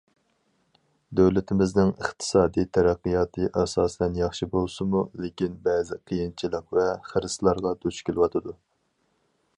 دۆلىتىمىزنىڭ ئىقتىسادىي تەرەققىياتى ئاساسەن ياخشى بولسىمۇ، لېكىن بەزى قىيىنچىلىق ۋە خىرىسلارغا دۇچ كېلىۋاتىدۇ.